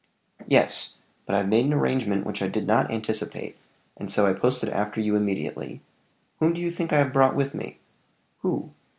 "Yes but I've made an arrangement which I did not anticipate; and so I posted after you immediately. Whom do you think I have brought with me?" "Who?"